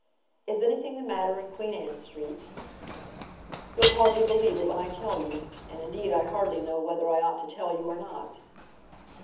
"Is anything the matter in Queen Anne Street?" "You'll hardly believe it when I tell you; and, indeed, I hardly know whether I ought to tell you or not."